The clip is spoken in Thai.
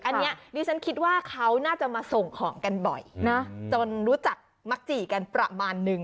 อันนี้ดิฉันคิดว่าเขาน่าจะมาส่งของกันบ่อยนะจนรู้จักมักจี่กันประมาณนึง